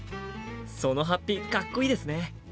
その法被かっこいいですね！